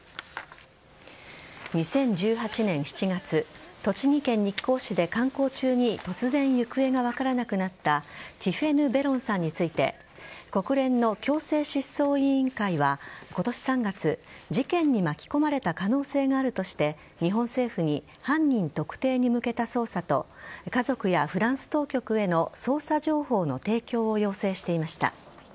２０１８年７月栃木県日光市で観光中に突然行方が分からなくなったティフェヌ・ベロンさんについて国連の強制失踪委員会は今年３月、事件に巻き込まれた可能性があるとして日本政府に犯人特定に向けた捜査と家族やフランス当局への捜査情報の提供を要請していました。